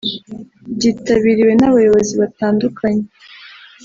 byitabiriwe n’abayobozi batandukanye